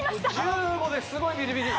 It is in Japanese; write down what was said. １５ですごいビリビリ！